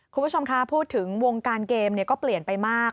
คุณผู้ชมคะพูดถึงวงการเกมก็เปลี่ยนไปมาก